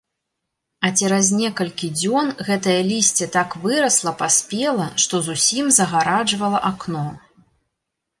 А цераз некалькі дзён гэтае лісце так вырасла, паспела, што зусім загараджвала акно.